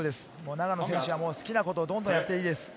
永野選手は好きなことを、どんどんやっていいです。